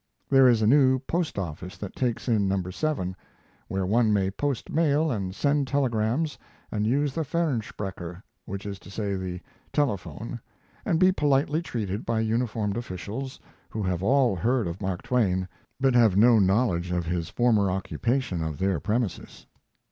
There is a new post office that takes in Number 7, where one may post mail and send telegrams and use the Fernsprecher which is to say the telephone and be politely treated by uniformed officials, who have all heard of Mark Twain, but have no knowledge of his former occupation of their premises.